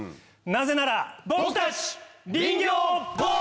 なぜなら。